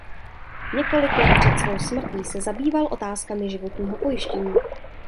Několik let před svou smrtí se zabýval otázkami životního pojištění.